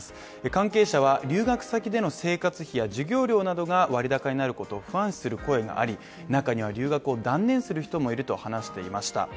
関係者は留学先での生活費や授業料などが割高になることを不安視する声があり、中には留学を断念する人もいると話していました。